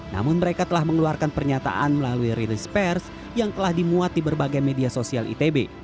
namun mereka telah mengeluarkan pernyataan melalui rilis pers yang telah dimuat di berbagai media sosial itb